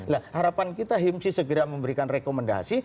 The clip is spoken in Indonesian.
nah harapan kita himsi segera memberikan rekomendasi